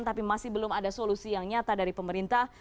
tapi masih belum ada solusi yang nyata dari pemerintah